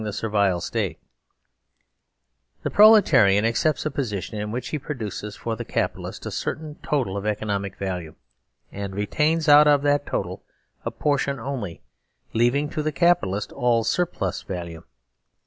167 THE SERVILE STATE The Proletarian accepts a position in which he pro duces for the Capitalist a certain total of economic values, and retains out of that total a portion only, leaving to the Capitalist all surplus value.